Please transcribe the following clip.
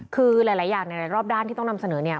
คือหลายอย่างในรอบด้านที่ต้องนำเสนอเนี่ย